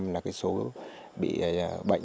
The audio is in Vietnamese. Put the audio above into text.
là số bị bệnh